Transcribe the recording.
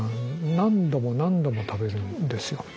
何度も何度も食べるんですよ。